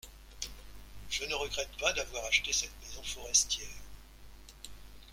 Je ne regrette pas d’avoir acheté cette maison forestière.